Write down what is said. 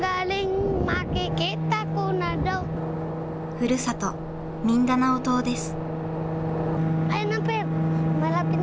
ふるさとミンダナオ島です。